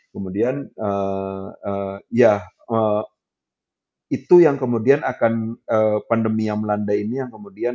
kemudian ya itu yang kemudian akan pandemi yang melanda ini yang kemudian